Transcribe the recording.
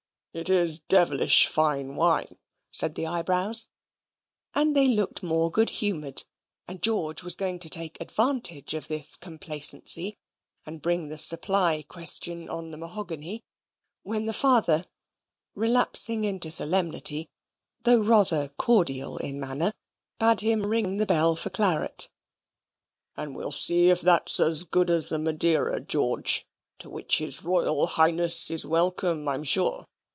"It is devilish fine wine," said the Eyebrows, and they looked more good humoured; and George was going to take advantage of this complacency, and bring the supply question on the mahogany, when the father, relapsing into solemnity, though rather cordial in manner, bade him ring the bell for claret. "And we'll see if that's as good as the Madeira, George, to which his Royal Highness is welcome, I'm sure.